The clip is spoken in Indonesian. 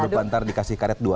nggak lupa nanti dikasih karet dua